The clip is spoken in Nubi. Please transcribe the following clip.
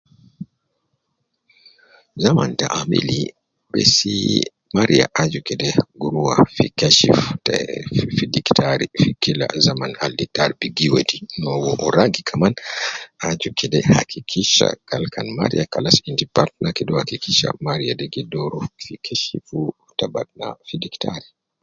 Zaman ta amili besi mariya aju kede rua fi kashifu te fi diktari kede ladi zaman al diktari wedi no, ragi kaman aju kede hakikisha gal kan mariya kalas endi batna kede uwo hakikisha mariya de gi doru fi kashifu ta batna fi diktari